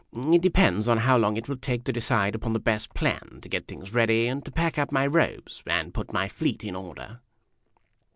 "It depends on how long it will take to decide upon the best plan, to get things ready, and to pack up my robes, and put my fleet in order."